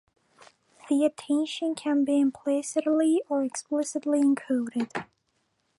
The attention can be implicitly or explicitly encoded.